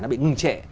nó bị ngừng trễ